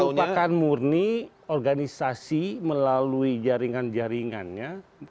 merupakan murni organisasi melalui jaringan jaringannya